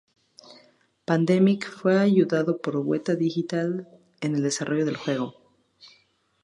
Pandemic fue ayudado por Weta Digital en el desarrollo del juego.